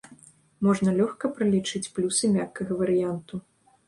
Можна лёгка пралічыць плюсы мяккага варыянту.